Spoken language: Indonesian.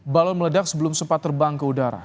balon meledak sebelum sempat terbang ke udara